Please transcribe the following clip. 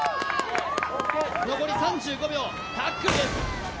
残り３５秒タックルです